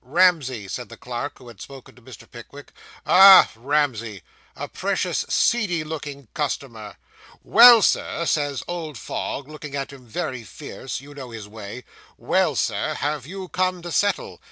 'Ramsey,' said the clerk who had spoken to Mr. Pickwick. 'Ah, Ramsey a precious seedy looking customer. "Well, sir," says old Fogg, looking at him very fierce you know his way "well, Sir, have you come to settle?"